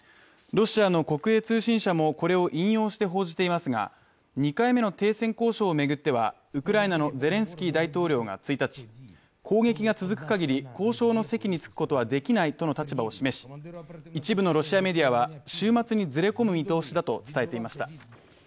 ロシアの国営通信社もこれを引用して報じていますが２回目の停戦交渉を巡ってはウクライナのゼレンスキー大統領が１日、攻撃が続くかぎり交渉の席に着くことはできないとの立場を示し、一部のロシアメディアは週末にずれ込む見通しだと伝えていました。